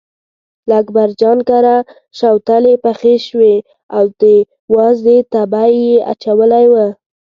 له اکبرجان کره شوتلې پخې شوې او د وازدې تبی یې اچولی و.